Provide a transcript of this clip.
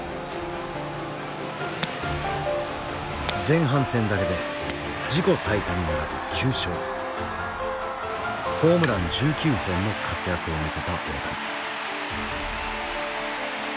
前半戦だけで自己最多に並ぶ９勝ホームラン１９本の活躍を見せた大谷。